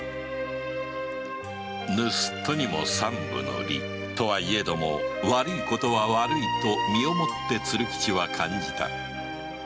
盗っ人にも三分の理とはいえども悪いことは悪いと身を持って鶴吉は感じた